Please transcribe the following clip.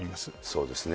そうですね。